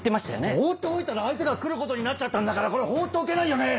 放っておいたら相手が来ることになっちゃったんだからこれ放っておけないよね！